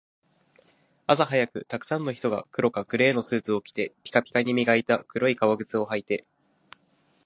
朝早く、沢山の人が黒かグレーのスーツを着て、ピカピカに磨いた黒い革靴を履いて